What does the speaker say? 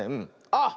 あっ！